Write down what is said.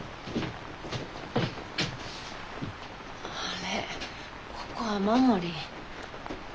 あれここ雨漏り。